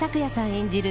演じる